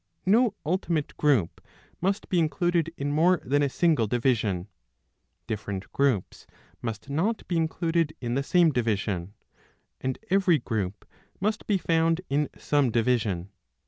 No ultimate group must be included in more than a single division ; different groups must not be included in the same division ; and every group must be found in some division.